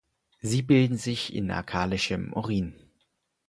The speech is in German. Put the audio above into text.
Sie bilden sich in alkalischem Urin.